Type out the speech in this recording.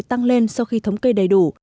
tăng lên sau khi thống kê đầy đủ